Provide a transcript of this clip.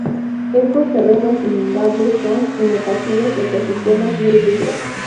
Estos terrenos inundables son, en ocasiones, ecosistemas muy ricos.